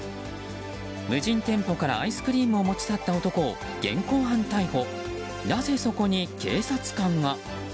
無人店舗からアイスクリームを持ち去った男を現行犯逮捕。